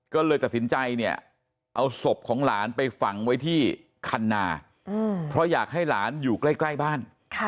ก็เลยตัดสินใจเนี่ยเอาศพของหลานไปฝังไว้ที่คันนาเพราะอยากให้หลานอยู่ใกล้บ้าน